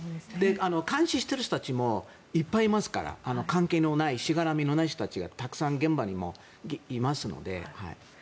監視している人たちもいっぱいいますから関係のないしがらみのない人たちがたくさん現場にもいますので。